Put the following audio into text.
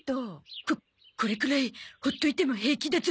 ここれくらいほっといても平気だゾ。